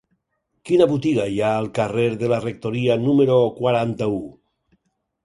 Quina botiga hi ha al carrer de la Rectoria número quaranta-u?